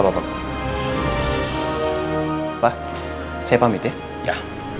apabila apakah bapak memiliki kesalahan